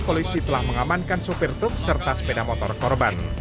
polisi telah mengamankan sopir truk serta sepeda motor korban